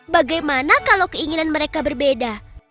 bagaimana kalau keinginan mereka berbeda